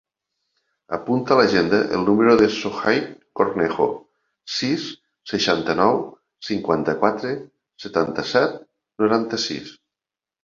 Apunta a l'agenda el número del Sohaib Cornejo: sis, seixanta-nou, cinquanta-quatre, setanta-set, noranta-sis.